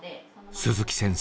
鈴木先生